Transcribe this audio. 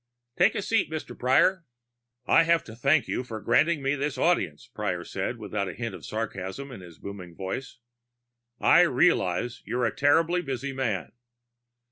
"Take a seat, Mr. Prior." "I have to thank you for granting me this audience," Prior said, without a hint of sarcasm in his booming voice. "I realize you're a terribly busy man."